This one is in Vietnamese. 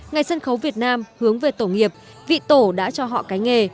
ngày sân khấu việt nam hướng về tổ nghiệp vị tổ đã cho họ cái nghề